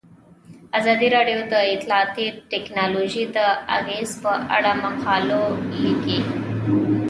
ازادي راډیو د اطلاعاتی تکنالوژي د اغیزو په اړه مقالو لیکلي.